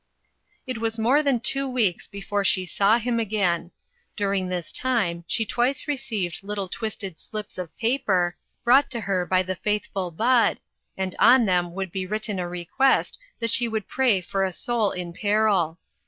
It was more than two weeks before she saw him again. During this time she twice received little twisted slips of paper, brought to her by the faithful Bud, and on them would be written a request that she would pray for a soul in peril.